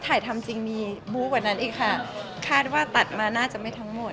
ถ่ายทำจริงมีบู๊กว่านั้นอีกค่ะคาดว่าตัดมาน่าจะไม่ทั้งหมด